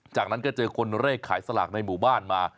จากนั้นก็เจอคนเลขขายสลากในหมู่บ้านมา